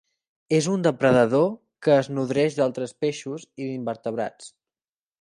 És un depredador que es nodreix d'altres peixos i d'invertebrats.